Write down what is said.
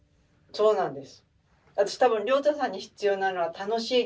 そうなんです。